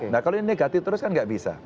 nah kalau ini negatif terus kan nggak bisa